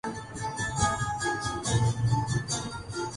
Arnold Schwarzenegger کی دو سال بعد دوسری ہارٹ سرجری